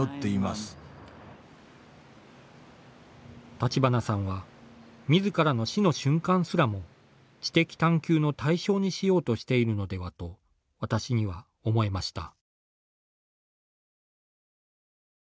立花さんはみずからの死の瞬間すらも知的探求の対象にしようとしているのではと私には思えました。